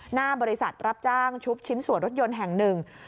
หน้าบริษัทรับจ้างชุบชิ้นส่วนรถยนต์แห่งหนึ่ง